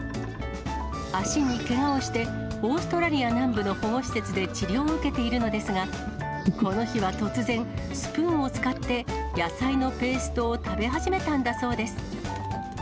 足にけがをして、オーストラリア南部の保護施設で治療を受けているのですが、この日は突然、スプーンを使って野菜のペーストを食べ始めたんだそうです。